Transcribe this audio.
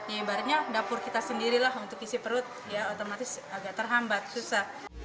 ya ibaratnya dapur kita sendirilah untuk isi perut ya otomatis agak terhambat susah